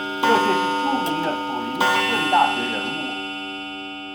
这些是着名的普林斯顿大学人物。